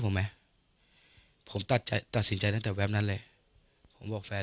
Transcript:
ผมไหมผมตัดใจตัดสินใจตั้งแต่แป๊บนั้นเลยผมบอกแฟน